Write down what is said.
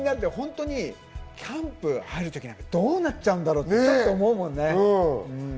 キャンプ入るときどうなっちゃうんだろうって思うもんね。